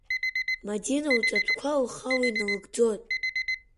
Мадина лҵатәқәа лхала иналыгӡон.